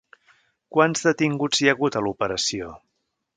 Quants detinguts hi ha hagut a l'operació?